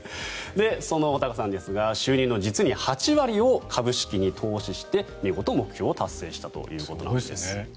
その穂高さんですが収入の実に８割を株式に投資して見事、目標を達成したということです。